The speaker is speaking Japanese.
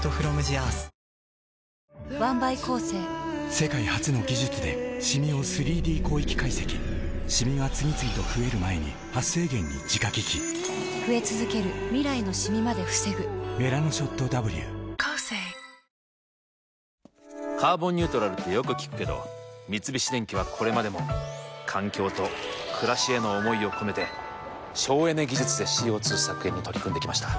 世界初の技術でシミを３Ｄ広域解析シミが次々と増える前に「メラノショットＷ」「カーボンニュートラル」ってよく聞くけど三菱電機はこれまでも環境と暮らしへの思いを込めて省エネ技術でＣＯ２削減に取り組んできました。